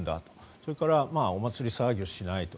それからお祭り騒ぎをしないと。